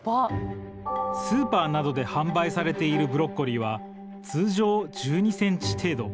スーパーなどで販売されているブロッコリーは通常１２ｃｍ程度。